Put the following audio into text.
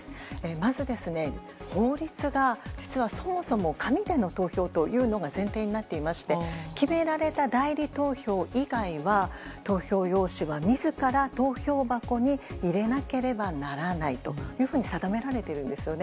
まず、法律が実はそもそも紙での投票というのが前提になっていまして決められた代理投票以外は投票用紙は自ら投票箱に入れなければならないと定められているんですよね。